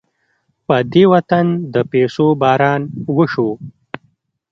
په دې وطن د پيسو باران وشو.